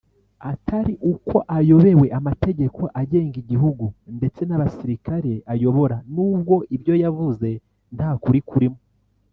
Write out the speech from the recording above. atari uko ayobewe amategeko agenga igihugu ndetse n’abasirikare ayobora n’ubwo ibyo yavuze nta kuri kurimo